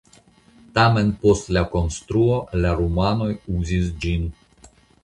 Tamen post la konstruo la rumanoj uzis ĝin.